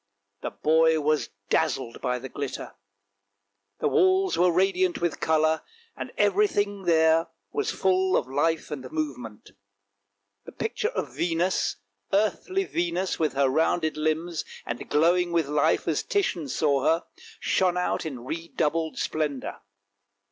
The boy was dazzled by the glitter; the walls were radiant with colour, and everything there was full of life and movement. The picture of Venus, the earthly Venus with her rounded limbs and glowing with life as Titian saw her, shone out in redoubled splendour.